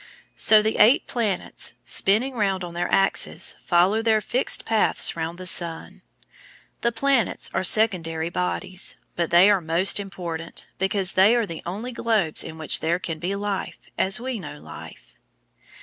So the eight planets, spinning round on their axes, follow their fixed paths round the sun. The planets are secondary bodies, but they are most important, because they are the only globes in which there can be life, as we know life.